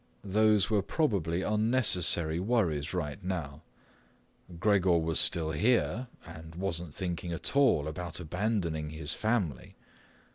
Those were probably unnecessary worries right now. Gregor was still here and wasn't thinking at all about abandoning his family.